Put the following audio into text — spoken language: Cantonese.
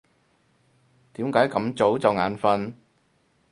點解咁早就眼瞓？